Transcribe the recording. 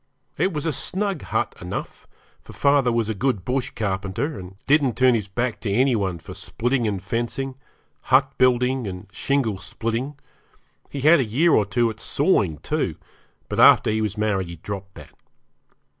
It was a snug hut enough, for father was a good bush carpenter, and didn't turn his back to any one for splitting and fencing, hut building and shingle splitting; he had had a year or two at sawing, too, but after he was married he dropped that.